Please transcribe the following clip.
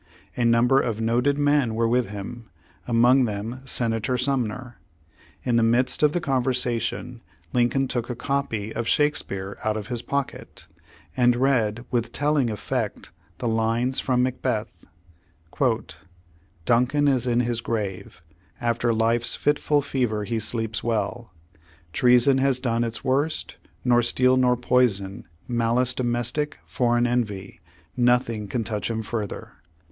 A number of noted men were with him, among them Senator Sumner. In the midst of the conversation Lincoln took a copy of Shakes peare out of Iiis pocket, and read with telling effect the lines from Macbeth: "Duncan is in his grave j Af'tel life's fitful fever he sleeps well; Treason has done its worst, nor steel nor poison, Malice domestic, foreign envy, Nothing can touch him further."